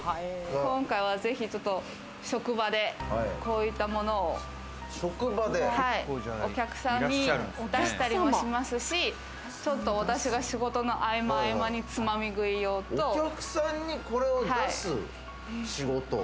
今回は、ぜひちょっと職場でこういったものをお客さんに出したりもしますし、ちょっと私が仕事の合間に、お客さんにこれを出す仕事？